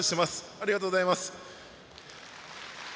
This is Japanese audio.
ありがとうございます。